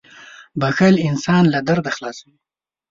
• بښل انسان له درده خلاصوي.